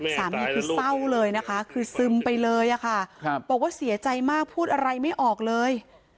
สามีคือเศร้าเลยนะคะคือซึมไปเลยค่ะบอกว่าเสียใจมากพูดอะไรไม่ออกเลย